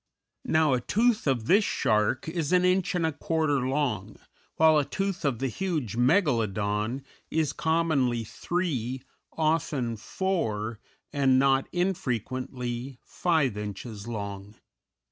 Now a tooth of this shark is an inch and a quarter long, while a tooth of the huge Megalodon is commonly three, often four, and not infrequently five inches long.